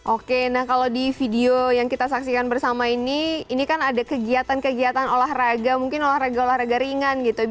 oke nah kalau di video yang kita saksikan bersama ini ini kan ada kegiatan kegiatan olahraga mungkin olahraga olahraga ringan gitu